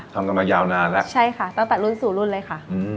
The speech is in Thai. ทำกันมายาวนานแล้วใช่ค่ะตั้งแต่รุ่นสู่รุ่นเลยค่ะ